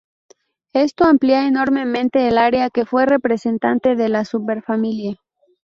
Esto amplía enormemente el área que fue representante de la superfamilia.